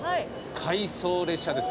回送列車です